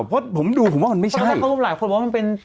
เพราะผมดูผมว่ามันไม่ใช่เพราะหลายคนบอกว่ามันเป็น